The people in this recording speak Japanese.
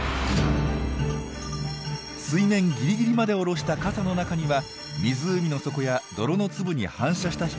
水面ギリギリまで下ろした傘の中には湖の底や泥の粒に反射した光しか入ってきません。